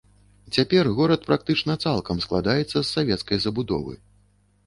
Цяпер горад практычна цалкам складаецца з савецкай забудовы.